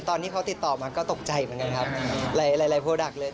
ตอนที่เขาติดต่อมาก็ตกใจเหมือนกันครับหลายหลายโปรดักต์เลย